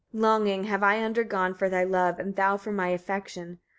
Longing I have undergone for thy love; and thou, for my affection.